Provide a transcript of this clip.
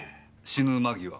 死ぬ間際？